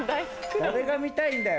誰が見たいんだよ